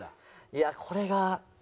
いやこれが。